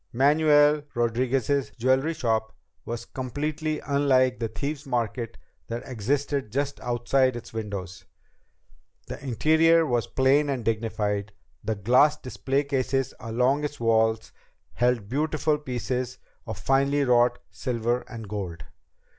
Manuel Rodriguez's jewelry shop was completely unlike the Thieves' Market that existed just outside its windows. The interior was plain and dignified, and glass display cases along its walls held beautiful pieces of finely wrought silver and gold.